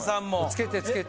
・つけてつけて。